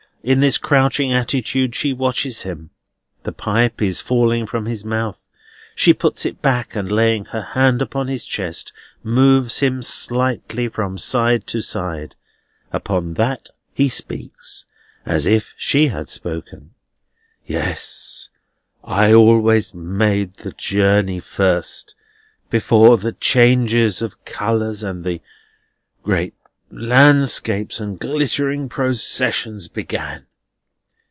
In this crouching attitude she watches him. The pipe is falling from his mouth. She puts it back, and laying her hand upon his chest, moves him slightly from side to side. Upon that he speaks, as if she had spoken. "Yes! I always made the journey first, before the changes of colours and the great landscapes and glittering processions began.